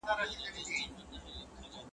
بابا گيلې کوي، ادې پېرې کوي.